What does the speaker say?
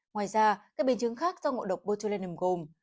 ngoài ra các biên chứng khác do ngộ độc botulinum gồm